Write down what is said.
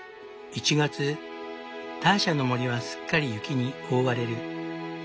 １月ターシャの森はすっかり雪に覆われる。